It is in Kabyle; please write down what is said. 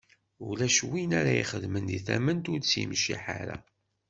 Ulac win ara ixedmen deg tament ur tt-yemciḥ ara.